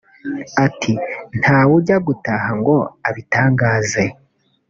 Ati“Ntawe ujya gutaha ngo abitangaze